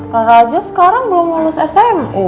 rara aja sekarang belum lulus smu